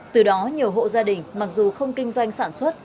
từ đó nhiều hộ gia đình mặc dù không kinh doanh sản xuất